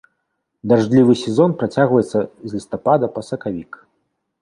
Дажджлівы сезон працягваецца з лістапада па сакавік.